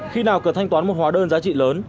khi nào cần thanh toán một hóa đơn giá trị lớn